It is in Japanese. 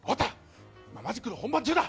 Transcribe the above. マジックの本番中だ。